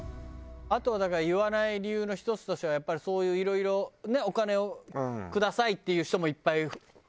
あとはだから言わない理由の１つとしてはやっぱりそういういろいろ「お金をください」っていう人もいっぱいいるから。